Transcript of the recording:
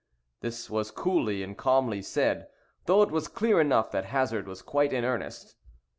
This was coolly and calmly said; though it was clear enough that Hazard was quite in earnest.